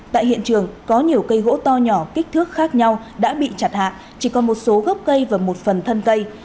tại hiện trường có nhiều cây gỗ to nhỏ kích thước khác nhau đã bị chặt hạ chỉ còn một số gốc cây và một phần thân cây